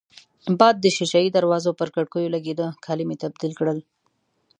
باد د شېشه يي دروازو پر کړکېو لګېده، کالي مې تبدیل کړل.